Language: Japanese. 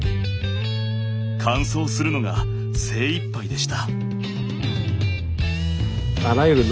完走するのが精いっぱいでした。